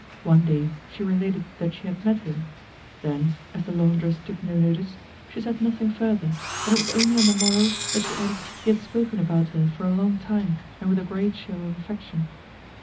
One day she related that she had met him; then, as the laundress took no notice, she said nothing further, and it was only on the morrow that she added he had spoken about her for a long time, and with a great show of affection.